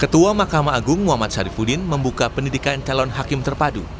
ketua mahkamah agung muhammad sarifudin membuka pendidikan calon hakim terpadu